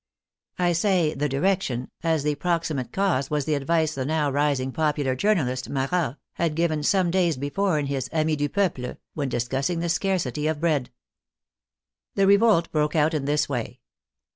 I say the direction, as the proximate cause was the advice the now rising popular journalist, Marat, had given some days before in his Ami du Peuple, when dis cussing the scarcity of bread. The revolt broke out in this way.